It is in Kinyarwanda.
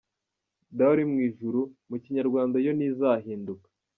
Dawe uri mu ijuru” mu Kinyarwanda yo ntizahinduka.